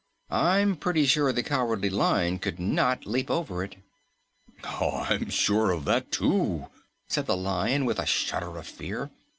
"I'm pretty sure the Cowardly Lion could not leap over it." "I'm sure of that, too!" said the Lion with a shudder of fear.